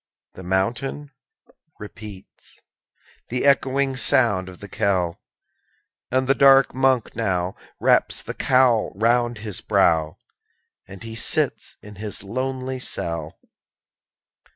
The mountain repeats The echoing sound of the knell; And the dark Monk now Wraps the cowl round his brow, _5 As he sits in his lonely cell.